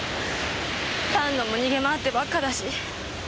丹野も逃げ回ってばっかだし。